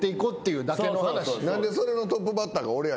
何でそれのトップバッターが俺やねん。